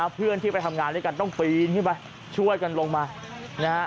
เพื่อนที่ไปทำงานด้วยกันต้องปีนช่วยกันลงมา